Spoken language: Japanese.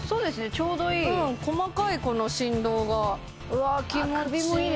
ちょうどいいうん細かいこの振動がうわ気持ちいい